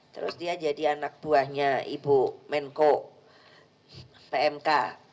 terus dia jadi anak buahnya ibu menko pmk